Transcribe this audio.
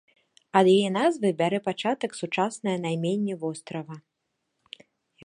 Ад яе назвы бярэ пачатак сучаснае найменне вострава.